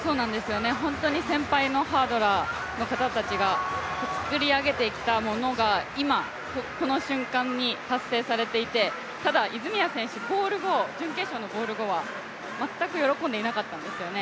本当に先輩のハードラーの方たちが作り上げてきたものが今、この瞬間に達成されていて、ただ、泉谷選手、準決勝のゴール後は全く喜んでいなかったんですよね。